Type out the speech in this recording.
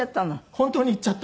本当に行っちゃった。